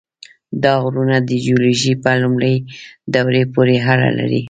دا غرونه د جیولوژۍ په لومړۍ دورې پورې اړه لري.